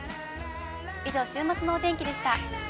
以上、週末のお天気でした。